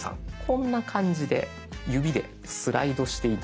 こんな感じで指でスライドして頂くと。